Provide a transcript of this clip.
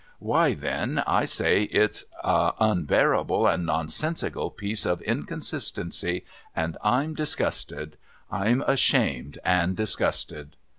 Why, then I say it's a unbearable and nonsensical piece of inconsistency, and I'm disgusted. I'm ashamed and disgusted